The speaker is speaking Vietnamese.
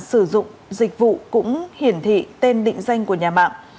sử dụng dịch vụ cũng hiển thị tên định danh của nhà mạng